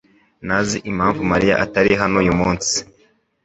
ntazi impamvu Mariya atari hano uyu munsi.